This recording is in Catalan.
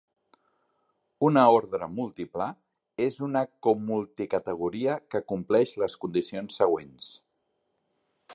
Una "ordre múltiple" és una comulticategoria que compleix les condicions següents.